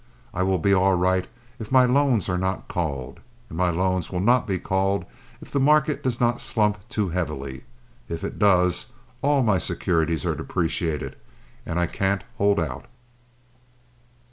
I will be all right if my loans are not called, and my loans will not be called if the market does not slump too heavily. If it does, all my securities are depreciated, and I can't hold out."